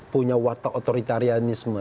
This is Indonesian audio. punya watak otoritarianisme